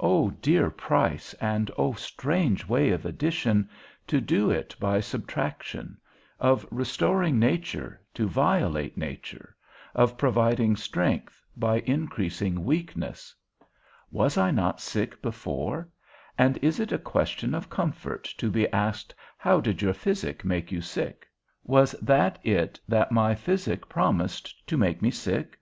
O dear price, and O strange way of addition, to do it by subtraction; of restoring nature, to violate nature; of providing strength, by increasing weakness. Was I not sick before? And is it a question of comfort to be asked now, did your physic make you sick? Was that it that my physic promised, to make me sick?